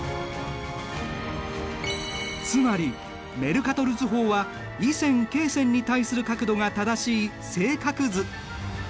つまりメルカトル図法は緯線・経線に対する角度が正しい正角図。